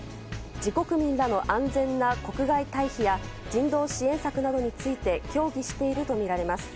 自国民らの安全な国外退避や人道支援策などについて協議しているとみられます。